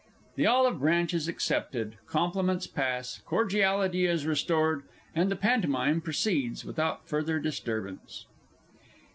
[_This olive branch is accepted; compliments pass; cordiality is restored, and the Pantomime proceeds without further disturbance.